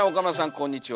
こんにちは。